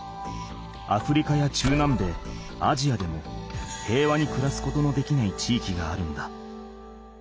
アフリカや中南米アジアでも平和に暮らすことのできない地域があるんだ。